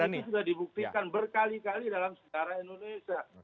dan itu sudah dibuktikan berkali kali dalam setara indonesia